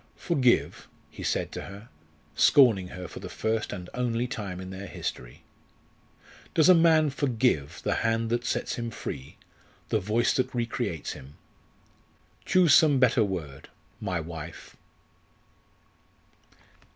"Forgive?" he said to her, scorning her for the first and only time in their history. "Does a man forgive the hand that sets him free, the voice that recreates him? Choose some better word my wife!"